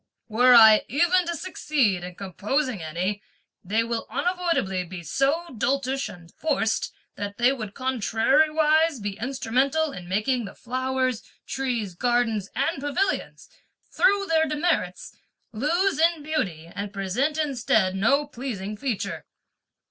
Were I even to succeed in composing any, they will unavoidably be so doltish and forced that they would contrariwise be instrumental in making the flowers, trees, garden and pavilions, through their demerits, lose in beauty, and present instead no pleasing feature."